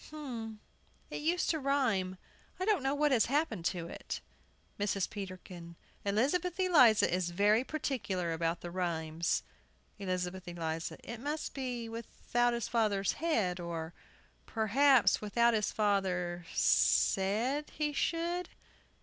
But it used to rhyme. I don't know what has happened to it. MRS. PETERKIN. Elizabeth Eliza is very particular about the rhymes. ELIZABETH ELIZA. It must be "without his father's head," or, perhaps, "without his father said" he should.